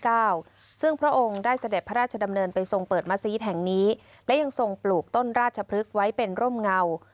ซึ่งพระองค์ได้เสด็จพระราชดำเนินไปทรงเปิดมซีสแห่งนี้และยังทรงปลูกต้นราชพฤกษ์ไว้เป็นร่มเงา